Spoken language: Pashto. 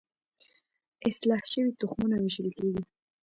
اصلاح شوي تخمونه ویشل کیږي.